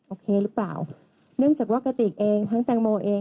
โอเคหรือเปล่าเนื่องจากว่ากระติกเองทั้งแตงโมเอง